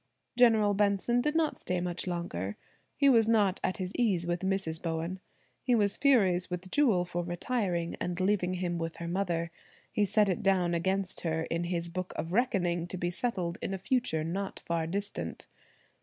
General Benson did not stay much longer. He was not at his ease with Mrs. Bowen. He was furious with Jewel for retiring and leaving him with her mother. He set it down against her in his book of reckoning to be settled in a future not far distant.